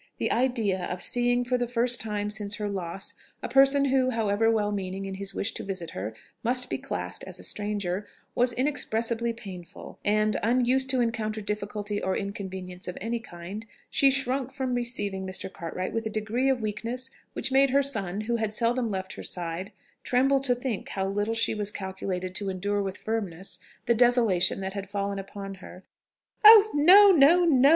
The idea of seeing for the first time since her loss a person who, however well meaning in his wish to visit her, must be classed as a stranger, was inexpressibly painful; and, unused to encounter difficulty or inconvenience of any kind, she shrank from receiving Mr. Cartwright with a degree of weakness which made her son, who had seldom left her side, tremble to think how little she was calculated to endure with firmness the desolation that had fallen upon her. "Oh! no! no! no!"